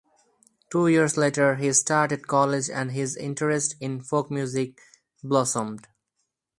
Two years later, he started college and his interest in folk music blossomed.